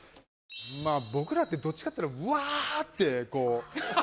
まあ僕らってどっちかっていったらははははっ